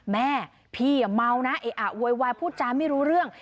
แม่พี่เมานะเออะโวยวายพูดจาไม่รู้เรื่อง